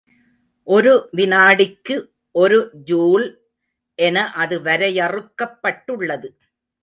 ஒரு வினாடிக்கு ஒரு ஜூல் என அது வரையறுக்கப்பட்டுள்ளது.